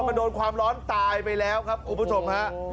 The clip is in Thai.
มันโดนความร้อนตายไปแล้วครับคุณผู้ชมฮะ